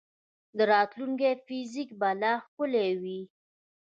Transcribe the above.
د راتلونکي فزیک به لا ښکلی وي.